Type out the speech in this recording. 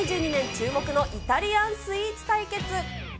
注目のイタリアンスイーツ対決。